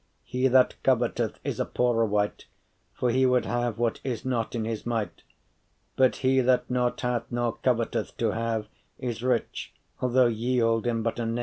He that coveteth is a poore wight For he would have what is not in his might But he that nought hath, nor coveteth to have, Is rich, although ye hold him but a knave.